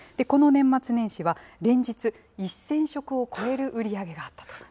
この年末年始は、連日、１０００食を超える売り上げがあったと。